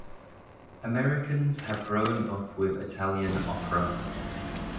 Americans have grown up with Italian opera.